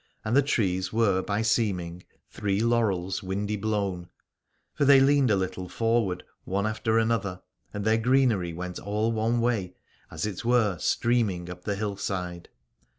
And the trees were by seeming three laurels windy blown : for they leaned a little forward one after another, and their greenery went all one way, as it were streaming up the hillside.